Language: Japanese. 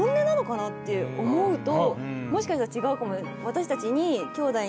思うともしかしたら違うかも。